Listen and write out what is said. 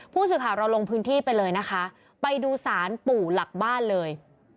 ผู้สื่อข่าวเราลงพื้นที่ไปเลยนะคะไปดูสารปู่หลักบ้านเลย